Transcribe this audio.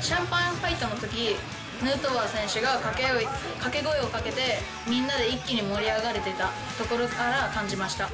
シャンパンファイトのとき、ヌートバー選手が掛け声をかけて、みんなで一気に盛り上がれてたところから感じました。